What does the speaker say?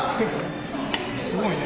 すごいね。